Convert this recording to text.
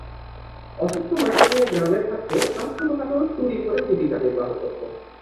অসুস্থ মাকে নিয়ে গ্রামে থাকতো আর ছোটখাটো চুরি করে জীবিকা নির্বাহ করতো।